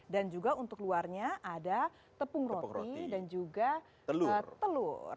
dan juga untuk luarnya ada tepung roti dan juga telur